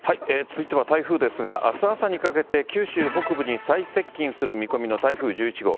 続いては台風ですが、あす朝にかけて九州北部に最接近する見込みの台風１１号。